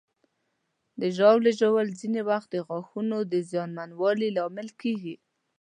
د ژاولې ژوول ځینې وخت د غاښونو زیانمنوالي لامل کېږي.